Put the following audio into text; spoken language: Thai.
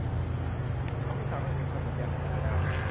เขาไม่สามารถเห็นคำสัญญาของเธอได้